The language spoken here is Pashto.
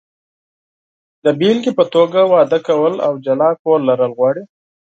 د بېلګې په توګه، واده کول او جلا کور لرل غواړي.